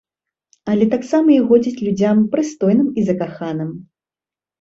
Але таксама і годзіць людзям прыстойным і закаханым.